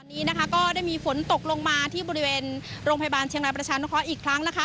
ตอนนี้ก็ได้มีฝนตกลงมาที่บริเวณโรงพยาบาลเชียงรายประชัยประชาชน์อีกครั้ง